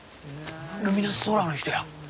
ルミナスソーラーの人や。